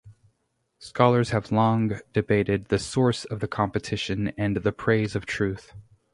Scholars have long debated the source of the competition and the Praise of Truth.